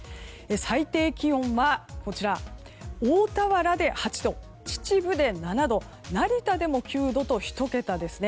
最低気温は大田原で８度秩父で７度、成田でも９度と１桁ですね。